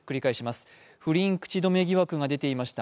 不倫口止め疑惑が出ていました